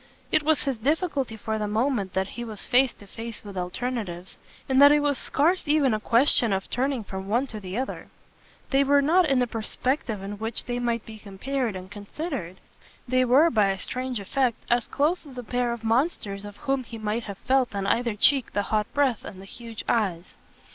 It was his difficulty for the moment that he was face to face with alternatives, and that it was scarce even a question of turning from one to the other. They were not in a perspective in which they might be compared and considered; they were, by a strange effect, as close as a pair of monsters of whom he might have felt on either cheek the hot breath and the huge eyes.